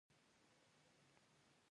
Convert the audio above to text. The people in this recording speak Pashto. د رحمان بابا شعرونه اخلاقي زده کړه ده.